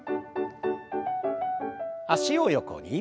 脚を横に。